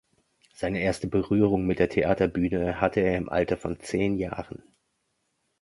Seine erste Berührung mit der Theaterbühne hatte er im Alter von zehn Jahren.